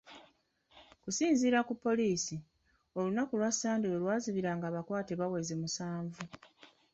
Okusinziira ku poliisi, olunaku lwa Ssande we lwazibidde nga abakwate baweze musanvu.